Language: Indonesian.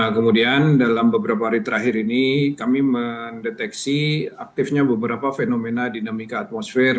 kemudian dalam beberapa hari terakhir ini kami mendeteksi aktifnya beberapa fenomena dinamika atmosfer